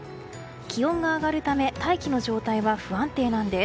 気温が上がるため大気の状態は不安定なんです。